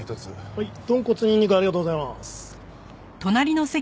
はい豚骨にんにくありがとうございます。